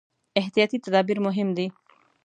احتیاطي تدابیر مهم دي.